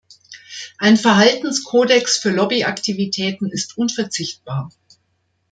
Ein Verhaltenskodex für Lobby-Aktivitäten ist unverzichtbar.